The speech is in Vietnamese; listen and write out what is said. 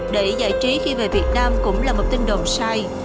để giải trí khi về việt nam cũng là một tin đồn sai